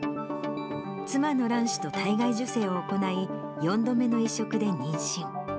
妻の卵子と体外受精を行い、４度目の移植で妊娠。